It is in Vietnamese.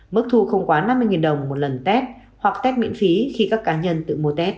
mức thu không quá năm mươi đồng một lần tét hoặc test miễn phí khi các cá nhân tự mua tết